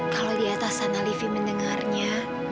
kalau di atas sana livi mendengarnya